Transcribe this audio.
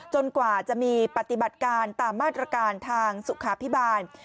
กว่าจะมีปฏิบัติการตามมาตรการทางสุขาพิบาล